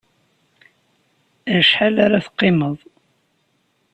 Acḥal ara t-qimeḍ?